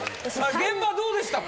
現場はどうでしたか？